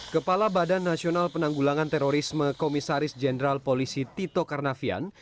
kepala badan nasional penanggulangan terorisme komisaris jenderal polisi tito karnavian